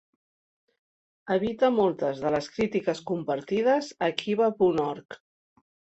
Evita moltes de les crítiques compartides a Kiva punt org.